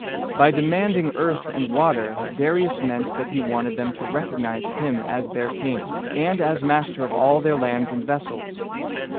By demanding "earth and water," Darius meant that he wanted them to recognize him as their king, and as master of all their lands and vessels.